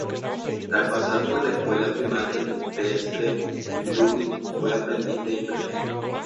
Tras pasar por la escuela primaria en Dresde, Ludwig fue aprendiz de impresor.